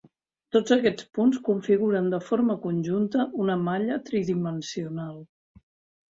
Tots aquests punts configuren de forma conjunta una malla tridimensional.